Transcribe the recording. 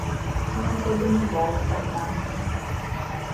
Ён табе не дасць дабра.